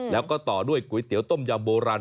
แล้วก็ต่อด้วยก๋วยเตี๋ยต้มยำโบราณ